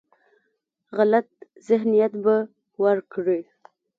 غلط ذهنیت به ورکړي.